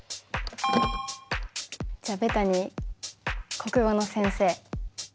じゃあベタに国語の先生。